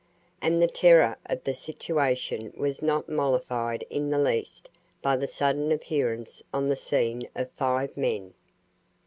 And the terror of the situation was not mollified in the least by the sudden appearance on the scene of five men.